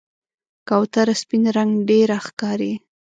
کوتره سپین رنګ ډېره ښکاري.